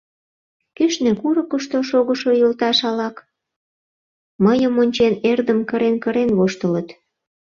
Кӱшнӧ, курыкышто, шогышо йолташ-алак, мыйым ончен, эрдым кырен-кырен воштылыт.